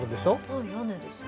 はい屋根ですね。